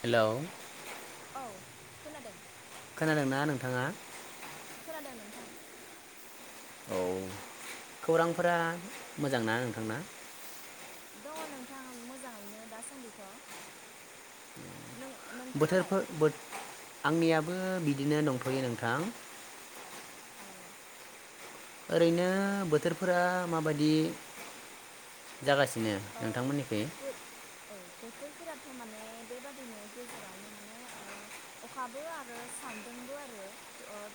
Hello औ खोनादों खोनादोंना नोंथाङा? खोनादों नोंथां औ खौरांफोरा मोजां ना नोंथांना? दङ नोंथां मोजाङैनो दासान्दिथ। नों नोंथाङालाय बोथोरफोर आंनिया बो बिदिनो दंथयो नोंथां। ओ ओरैनो बोथोरफोरा माबायदि? जागासिनो ओ नोंथांमोननिथिं। बो औ बोथोरफोराथ माने बेबादिनो गेजेरावनो माने अखाबो आरो सान्दुंबो आरो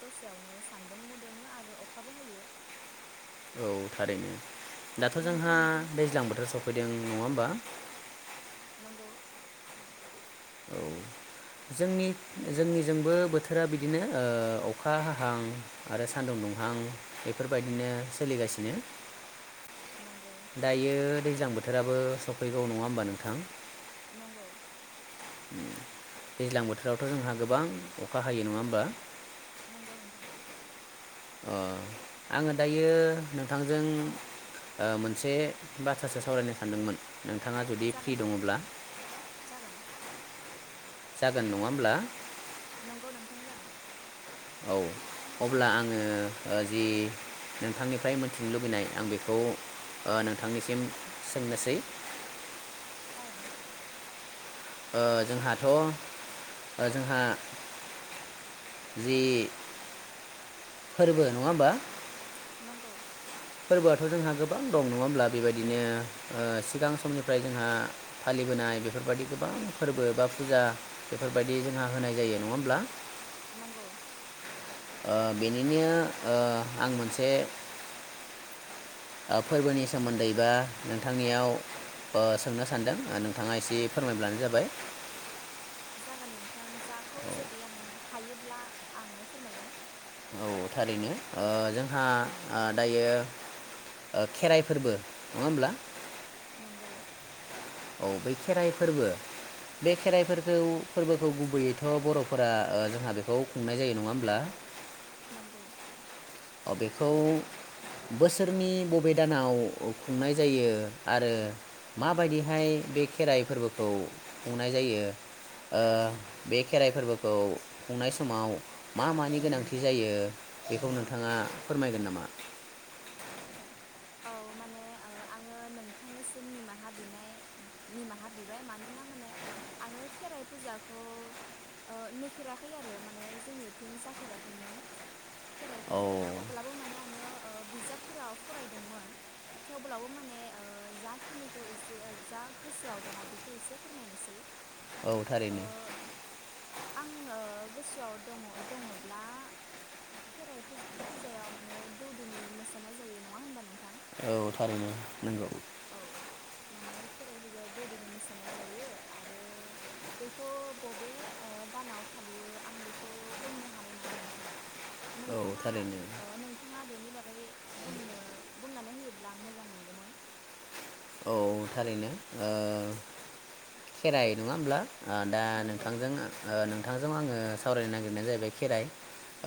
दसेयावनो सान्दुंबो गुदुङो आरो अखाबो हायो। औ थारैनो। दाथ जोंहा नोंथांनिथिं दैज्लां बोथोर सफैदों नङा होमबा नंगौ औ जोंनि जोंनिजोंबो बोथोरा बिदिनो अखा हाहां आरो सान्दुं दुंहां बेफोरबायदिनो सोलिगासिनो। नंगौ दायो दैज्लां बोथोराबो सफैगौ नङा होमबा नोंथां? नंगौ दैज्लां बोथोरावथ जोंहा गोबां अखा हायो नङा होमबा। नंगौ नोंथां। अ आङो दायो नोंथांजों मोनसे बाथ्रासो सावरायनो सानदोंमोन। नोंथाङा जुदि फ्रि जागोन नोंथां दङब्ला जागोन जागोन नङा होमब्ला? नंगौ नोंथां जागोन। औ अब्ला आङो जि नोंथांनिफ्राय मोनथिनो लुबैनाय आं बेखौ नोंथांनिसिम सोंनोसै। जागोन ओ जोंहाथ ओ जोंहा जि फोरबो नङा होमबा नंगौ। फोरबोआथ जोंहा गोबां दं नङा होमब्ला बेबायदिनो सिगां समनिफ्राय जोंहा फालिबोनाय बेफोरबायदि गोबां फोरबो बा फुजा बेफोरबायदि जोंहा होनाय जायो नङा होमब्ला। नंगौ बेनिनो आं मोनसे फोरबोनि सोमोन्दै बा नोंथांनियाव सोंनो सान्दों नोंथाङा एसे फोरमायब्लानो जाबाय [unintelligible] आं जाखौ जुदि आं हायो ब्ला आङो फोरमायगोन औ थारैनो जोंहा दायो खेराइ फोरबो नङा होमब्ला नंगौ औ बै खेराइ फोरबो बे खेराइ फोरखौ फोरबोखौ गुबैयैथ बर'फोरा जोंहा बेखौ खुंनाय जायो नङा होमब्ला नंगौ बेखौ बोसोरनि बबे दानाव खुंनाय जायो आरो माबायदिहाय बे खेराइ फोरबोखौ खुंनाय जायो बे खेराइ फोरबोखौ खुंनाय समाव मा मानि गोनांथि जायो बेखौ नोंथां नोंथाङा फोरमायगोन नामा? औ माने आङो नोंथांनिसिम निमाहा बिनाय निमाहा बिबाय मानोना माने आङो खेराइ फुजाखौ नुफेराखै आरो माने जोंनिथिं जाफेराखैमोन। खेराइ औ फुजाया अब्लाबो माने आङो बिजाबफोराव फराय दोमोन थेवब्लाबो माने जाखिनिखौ एसे जा गोसोआव दङ बेखौ एसे फोरमायनोसै औ थारैनो आङो गोसोआव दङ दङब्ला खेराइ फु फुजायाव माने दौदिनि मोसानाया जायो नङा होनबा नों औ थारैनो नोंगौ। औ माने खेराइ फुजायाव दौदिनि मोसानाय जायो आरो बेखौ बबे ओ दानाव फालियो आं बेखौ बुंनो हानाय नङा नोंथां। औ नोंथाङा थारैनो ओ नोंथाङा बेनि बागै बुंनो बुंनानै होयो ब्ला आं मोजां मोनगोमोन औ थारैनो ओ खेराइ नङा होनब्ला? आ दा नंगौ नोंथांजों ओ ओ नोंथांजों आङो सावरायनो नागिरनाया जाहैबाय खेराइ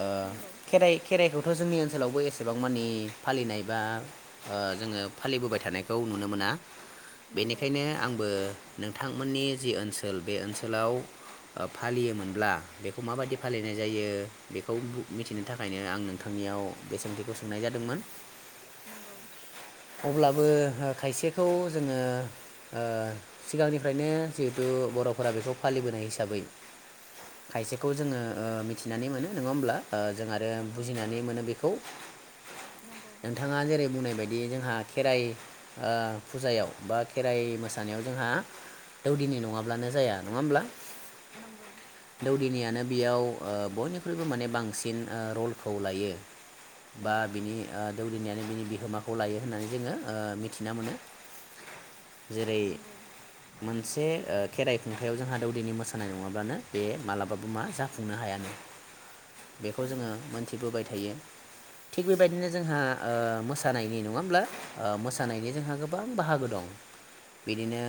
ओ‌ नंगौ खेराइ खेराइखौ खोथ जोंनि ओनसोलावबो एसेबां मानि फालिनाय बा ओ जोङो फालिबोबाय थानायखौ नुनो मोना नंगौ बेनिखायनो आंबो नोंथांमोननि जि ओनसोल बे ओनसोलाव फालियोमोनब्ला बेखौ माबायदि फालिनाय जायो बेखौ बु मिथिनो थाखायनो आं नोंथांनियाव बे सोंथिखौ सोंनाय जादोंमोन। नंगौ अब्लाबो खायसेखौ जोङो ओ सिगांनिफ्रायनो जिहेथु बरफोरा बेखौ फालिबोनाय हिसाबै खायसेखौ जोङो ओ मिथिनानै मोनो नङा होमब्ला ओ जों आरो नंगौ बुजिनानै मोनो बेखौ नंगौ नोंथाङा जेरै बुंनाय बाय बि जोंहा खेराइ ओ फुजायाव बा खेराइ मोसानायाव जोंहा दौदिनि नङाब्लानो जाया नङा होमब्ला? नंगौ। नियानो बेयाव ओ बयनिख्रुइबो माने बांसिन ओ रलखौ लायो बा नंगौ बिनि ओ दौदिनायानो बिनि बिहोमा खौ लायो होननानै जोङो ओ मिथिना मोनो। जेरै नंगौ मोन से खेराइ खुंथायाव जोंहा दौदिनि मोसानाय नङाब्लानो बे मालाबाबो मा जाफुंनो हायानो बेखौ नंगौ जोङो मोनथिबोबाय थायो। थिग बेबायदिनो जोंहा ओ मोसा नायनि नङा होमब्ला? ओ नंगौ मोसानायनि जोंहा गोबां बाहागो दं बिदिनो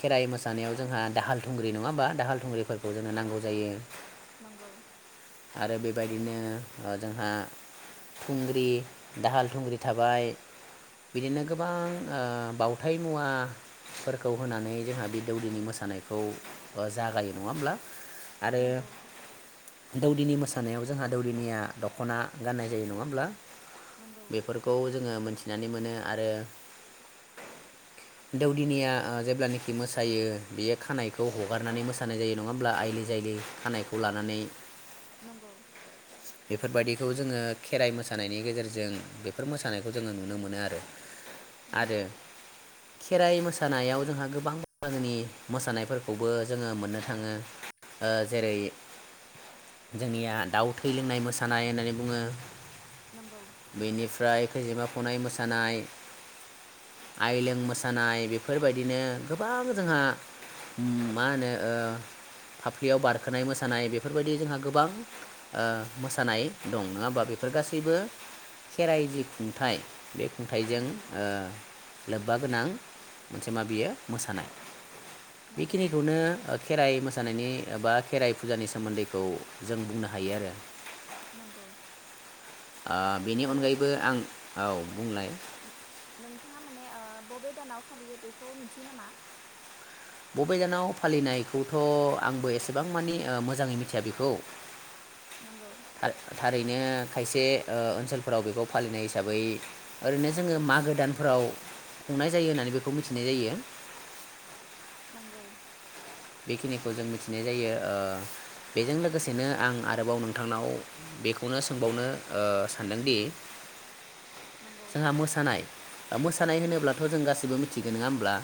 खेराइ मोसानायाव जोंहा दाहाल थुंग्रि नङा होमबा दाहाल थुंग्रिफोरखौ जोंनो नांगौ जायो नंगौ। आरो बेबायदिनो जोंहा थुंग्रि दाहाल थुंग्रि थाबाय बिदिनो गोबां ओ बावथाय मुवाफोरखौ होनानै जोंहा बे दौदिनि मोसानायखौ जागायो नङा होमब्ला आरो नंगौ नंगौ दौदिनि मोसानायाव जोंहा दौदिनिया दखना गाननाय जायो नङा होमब्ला? नंगौ। बेफोरखौ जोङो मोनथिनानै मोनो आरो दौदिनिया जेब्लानाखि मोसायो बेयो खानायखौ हगारनानै मोसानाय जायो नङा होमब्ला आइलि जायलि खानायखौ लानानै नंगौ बेफोरबायदिखौ जोङो खेराइ मोसानायनि गेजेरजों फोर मोसानायखौ जोङो नुनो मोनो आरो आरो खेराइ मोसा मोसानायाव जोंहा गोबां जोंनि मोसानायफोरखौबो जोङो मोननो थाङो जेरै जोंनिया दाउ थै लोंनाय मोसानाय होननानै बुङो। नंगौ। खैजिमा फनाय मोसानाय, आइलें मोसानाय बेफोरबायदिनो गोबां जोंहा मा होनो ओ फाफ्लियाव बारखोनाय मोसानाय बेफोरबायदि जोंहा गोबां ओ मोसानाय दं नङा होमबा बेफोर गासैबो खेराइलि खुंथाइ बे खुंथाइजों नंगौ ओ लोब्बा गोनां मोनसे मा बियो मोसानाय। नंगौ बेखिनिखौनो ओ खेराइ मोस सानायनि एबा खेराइ फुजानि सोमोन्दैखौ जों बुंनो हायो आरो। नंगौ ओ बेनि आरो अनगायैब बो आं औ बुंलाय नोंथाङा माने ओ बबे दानाव फालियो बेखौ मिथियो नामा? बबे दानाव फालिनायखौथ' आंबो एसेबां मानि ओ मोजाङै मिथिया बेखौ। नंगौ थार-थारै नो खायसे ओ ओन्सोलफोराव बेखौ फालिनाय हिसाबै ओरैनो जोङो मागो दानफोराव खुंनाय जायो होननानै बेखौ मिथिनाय जायो। नंगौ बेखिनिखौ जों मिथिनाय जायो ओ बेजों लोगोसेनो आं आरोबाव नोंथांनाव बेखौनो सोंबावनो ओ सानदोंदि नंगौ जोंहा मोसानाय ओ मोसानाय होनोब्लाथ जों गाससिबो मिथिगो नङा होमब्ला?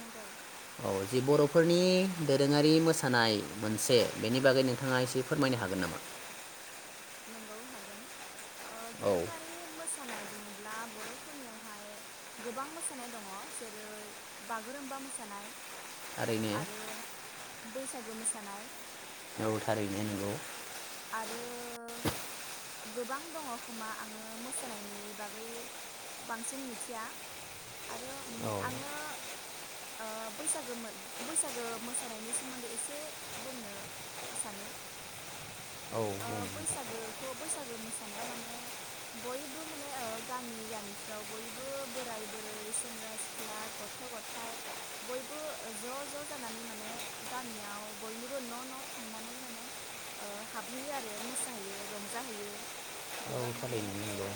नंगौ औ जि बर' फोरनि दोरोङारि मोसानाय मोनसे बेनि बागै नोंथाङा एसे फोरमायनो हागोन नामा? नंगौ हागोन‌। ओ औ दोरोङारि मोसानाय बुङोब्ला बरफोरनियावहाय गोबां मोसानाय दङ जेरै बागुरुम्बा मोसानाय थारैनो आरो बैसागो मोसानाय औ थारैनो नंगौ आरो गोबां दङ खोमा आङो मोसानायनि बागै बांसिन मिथिया आरो उम औ आङो ओ बैसागो मो बैसागो मोसानायनि सोमोन्दै एसे बुंनो सानो। औ ओ बुं नोंथां बैसागोखौ बैसागो मोस सानायाव माने बयबो माने ओ गामि गामिफ्राव बयबो बोराय बोरै, सेंग्रा सिख्ला, गथ' गथाइ बयबो ज ज जानानै माने गामियाव बयनिबो न न थांनानै माने ओ हाब हाबहैयो आरो मोसाहैयो, रंजाहैयो। औ गोबां माने थारैनो नो ओ नोंगौ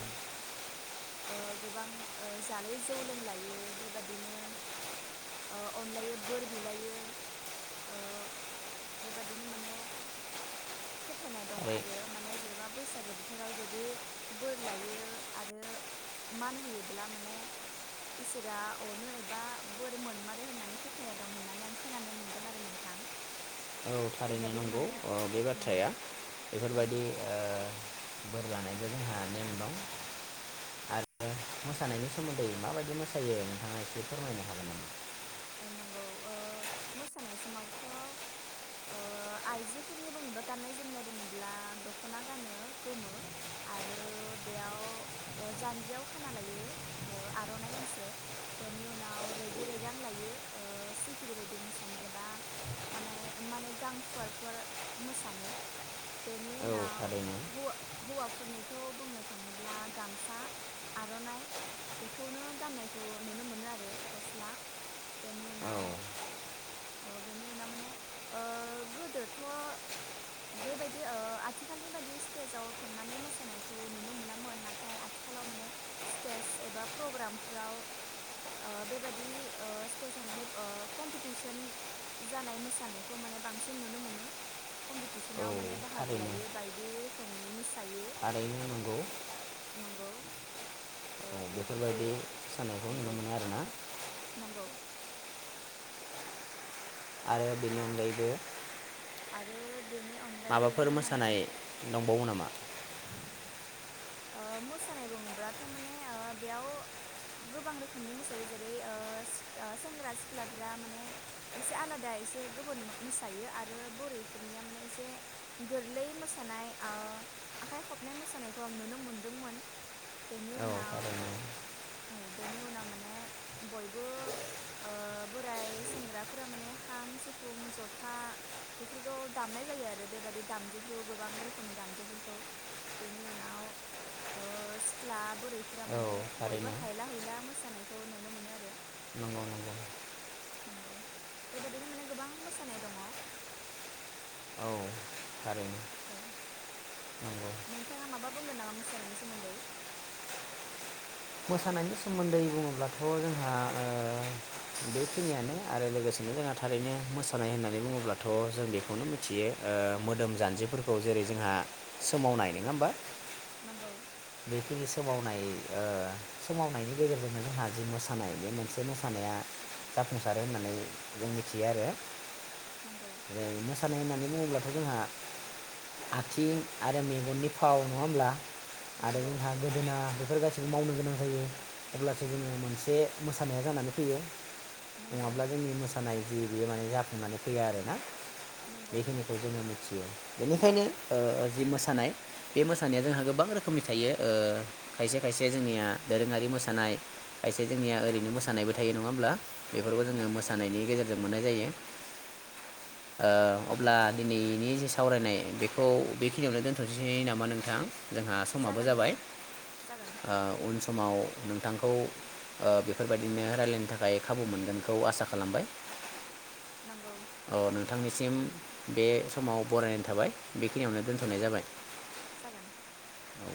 ओ गोबां ओ जालै जौ लोंलायो बेबादिनो ओ अनलायो बोर बिलायो ओ बेबादिनो माने फोथायनाय दं थारै आरो माने जेनेबा बैसागो बोथोराव जुदि बोर लायो आरो मान होयोब्ला माने इसोरा अनो एबा बोर मोनमारो होननानै फोथायनाय दं होननानै आं खोनानो मोन्दों आरो नोंथां। औ थारैनो बेबादिनो नंगौ माने ओ बेबादि नंगौ बाथ्राया नंगौ बेफोरबायदि ओ बोर मोसानायबो जोंहा नेम दं आरो मोसानायनि सोमोन्दै माबायदि मोसायो नोंथाङा एसे फोरमायनो हागोन नामा? नंगौ मोसानाय समावथआइजोफोरनि बुङोब्ला गान्नाय जोमनाय बुङोब्ला दखना गानो गोमो आरो बेयाव जान्जियाव खाना लायो आरनाइ गांसे बेनि उनाव रेगे रेगा आं लायो सिखिरि बायदि मोसानो एबा माने माने गांफुवारफोरु मोसानो बेनि औ उनाव थारैनो हौवाफोरनिखौ बुंनो थाङोब्ला गामसा आरनाइ बेखौनो गाननायखौ नुनो मोनो आरो गस्ला बेनि औ उनाव बेनि उनाव माने गोदोथबेबायदि आथिखालनि बाददि स्टेजाव थांनानै मोसानायखौ नुनो मोनामोन नाथाय आथिखालाव माने स्टेज एबा प्रग्रामफ्राव बेबायाददि स्टेजाव माने कम्पिटिसन जानाय मोसानायखौ माने बांसिन नुनो मोनो औ कम्पिटिसनाव माने बाहागो थारैनो लायो बायदि [unintelligible] थारैनो नंगौ। नंगौ ओ औ बे बे बेफोरबायादि सानानायखौ नंगौ नुनो मोनो आरोना। नंगौ आरो बिनि अनगायैबो आरो बेनि अनगायैबो माबाफोर माने मोसानाय दंबावो नामा? मोसानाय बुङोब्लाथ माने बेयाव गोबां रोखोमनि मोसायो जेरै सेंग्रा सिख्लाफ्रा माने एसे आलादा एसे गुबुन मोसायो आरो बोरैफोरनिया माने एसे गोरलै मोसानाकय आखाइ खबनाय मोसानायखौ आं नुनो मोनो मोनदोंमोन बेनि औ उनाव थारैनो औ बेनि उनाव माने बयबो बोराय सेंग्राफोरा माने खाम सिफुं जथा बेफोरखौ दामनाय जायो आरो बेबादि दामजुफोरखौ गोबां रोखोमनि दामजुफोरखौ बेनि उनाव ओ सिख्ला बुरैफोरा औ माने बयबो थारैनो हायला हुला मोस मोसानायखौ नुनो मोनो आरो नंगौ नंगौ नंगौ बेबादिनो माने गोबां मोसानाय दङ। औ थारैनो औ नंगौ नोंथाङा माबा बुंगोन नामा मोसानायनि सोमोन्दै? मोसानायनि सोमोन्दै बुङोब्लाथ जोंहा बेखिनियानो आरो लोगोसेनो जोंहा थारैनो मोसानाय होननानै बुङोब्लाथ जों बेखौनो मिथियो मोदोम जानजिफोरखौ जेरै जोंहा सोमावनाय न, ङा होमबा? नंगौ बेखिनि समाव माइ सोमावनायनि गेजेरजोंनो जोंहा जि मोसानाय बे मोनसे मोसानाया जाफुंसारो होननानै जों मिथियो आरो। नंगौ मोसानाय होननानै [unintelligible] बुङोब्लाथ जोंहा आथिं आरो मेगननि फाव नङा होमब्ला? आरो नंगौ जोंहा गोदोना बेफोर गासिबो मावनोगोनां जायो अब्लासो जोङो मोनसे मोसानाया जानानै फैयो। नंगौ नङाब्ला जोंनि मोसानाय जि बेयो माने जाफुंनानै फैया आरोना। नंगौ बेखिनिखौ जोङो मिथियो। बेनिखायनो ओ जि मोसानाय बे मोसानाया जोंहा गोबां रोखोमनि थायो ओ खायसे खायसे जोंनिया दोरोङारि मोसानाय खायसे जोंनिया ओरैनो मोसानायबो थायो नङा होमब्ला? बेफोरखौ जोङो नंगौ मोसानायनि गेजेरजों जों मोननाय जायो। ओ नंगौ अब्ला दिनैनि जे साव सावरायनाय बेखौ बेखिनियावनो दोनथ'नोसै नामा नोंथां? जोंहा समाबो जागोन जाबाय। नोंथां जागोन समाव नोंथांखौ ओ बेफोरबायदिनो रायलायनो थाखाय खाबु मोनगोनखौ आसा खालामबाय। नंगौ। अ नोंथांनिसिम बे समाव बरायनाय थाबाय बेखिनियावनो दोन्थ'नाय जाबाय। जागोन। औ।